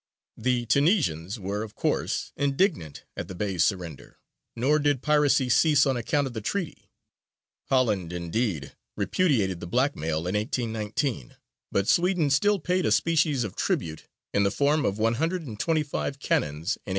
The Tunisians were, of course, indignant at the Bey's surrender, nor did piracy cease on account of the Treaty. Holland, indeed, repudiated the blackmail in 1819, but Sweden still paid a species of tribute in the form of one hundred and twenty five cannons in 1827.